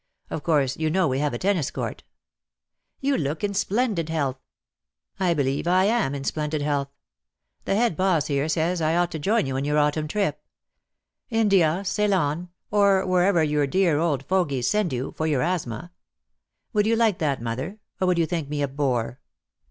Of course you know we have a tennis court." "You look in splendid health." "I believe I am in splendid health. The head boss here says I ought to join you in your autumn trip — India, Ceylon, or wherever your dear old fogies send you, for your asthma. Would you like that, mother, or would you think me a bore?"